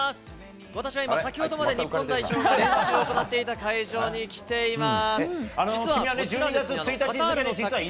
私は今、先ほどまで日本代表が練習を行っていた会場に来ています。